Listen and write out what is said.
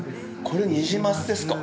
◆これ、ニジマスですか。